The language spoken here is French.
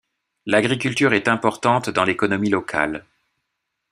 L'agriculture est importante dans l'économie locale.